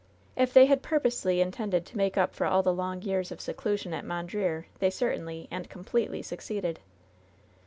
If they had purposely in tended to make up for all the long years of seclusion at Mondreer they certainly and completely succeeded.